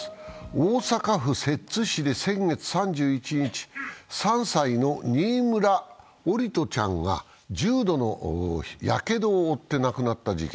大阪府摂津市で先月３１日、３歳の新村桜利斗ちゃんが重度のやけどを負って亡くなった事件。